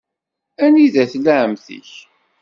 Anida tella ɛemmti-k?